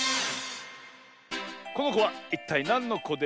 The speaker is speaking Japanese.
このこはいったいなんのこでしょう？